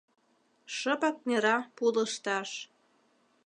Шыпак нера пу лышташ